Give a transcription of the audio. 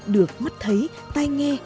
được mắt thấy tai nghe